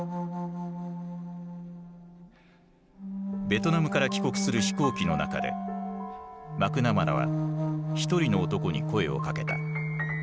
ベトナムから帰国する飛行機の中でマクナマラは一人の男に声をかけた。